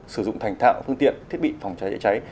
sử dụng thành thạo phương tiện thiết bị phòng cháy chữa cháy